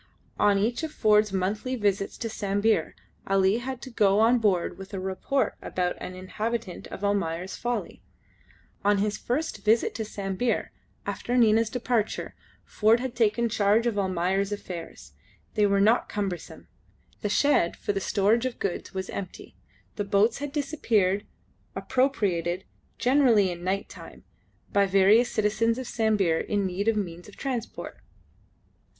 On each of Ford's monthly visits to Sambir Ali had to go on board with a report about the inhabitant of "Almayer's Folly." On his first visit to Sambir, after Nina's departure, Ford had taken charge of Almayer's affairs. They were not cumbersome. The shed for the storage of goods was empty, the boats had disappeared, appropriated generally in night time by various citizens of Sambir in need of means of transport.